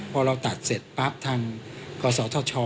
พอเราตัดเสร็จปั๊บทางกศธช